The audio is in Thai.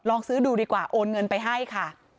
ลองซื้อดูดีกว่าโอนเงินไปให้ค่ะ